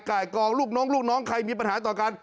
กองลูกน้องลูกน้องใครมีปัญหาต่อกัน